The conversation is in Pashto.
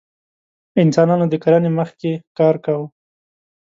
انسانانو د کرنې مخکې ښکار کاوه.